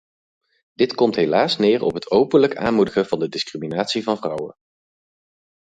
Dit komt helaas neer op het openlijk aanmoedigen van de discriminatie van vrouwen.